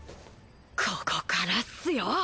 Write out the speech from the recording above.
ここからっすよ。